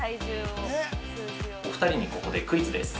◆お二人にここでクイズです。